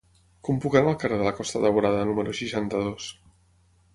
Com puc anar al carrer de la Costa Daurada número seixanta-dos?